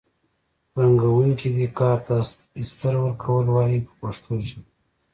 رنګوونکي دې کار ته استر ورکول وایي په پښتو ژبه.